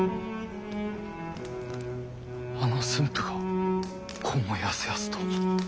あの駿府がこうもやすやすと。